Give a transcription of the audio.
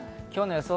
今日の予想